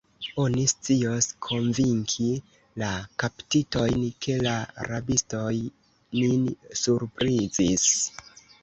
Oni scios konvinki la kaptitinojn, ke la rabistoj nin surprizis.